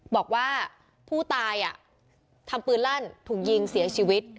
บอกว่าผู้ตายทำปืนลั่นถูกยิงเสียชีวิต